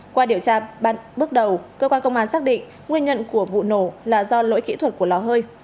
qua điều tra bước đầu cơ quan công an xác định nguyên nhân của vụ nổ là do lỗi kỹ thuật của lò hơi